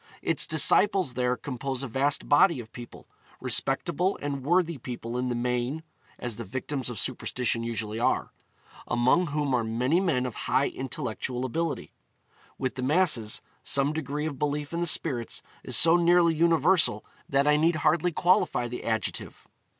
Its disciples there compose a vast body of people, respectable and worthy people in the main (as the victims of superstition usually are), among whom are many men of high intellectual ability. With the masses, some degree of belief in the spirits is so nearly universal that I need hardly qualify the adjective.